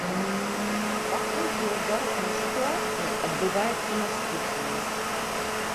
Паколькі ў адваротнай сітуацыі адбываецца наступнае.